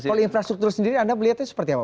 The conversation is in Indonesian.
kalau infrastruktur sendiri anda melihatnya seperti apa